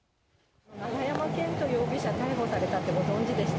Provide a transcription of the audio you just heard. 永山絢斗容疑者、逮捕されたってご存じでした？